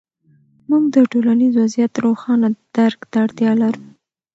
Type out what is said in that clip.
موږ د ټولنیز وضعیت روښانه درک ته اړتیا لرو.